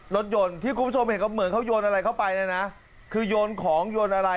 รถยนต์ที่คุณผู้ชมเห็นก็เหมือนเขาโยนอะไรเข้าไปนะนะคือโยนของโยนอะไร